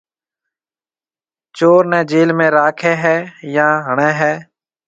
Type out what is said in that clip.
چور نَي جيل ۾ راکيَ هيَ يان هڻيَ هيَ۔